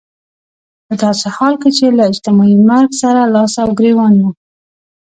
په داسې حال کې چې له اجتماعي مرګ سره لاس او ګرېوان يو.